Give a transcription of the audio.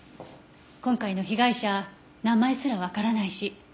今回の被害者名前すらわからないし。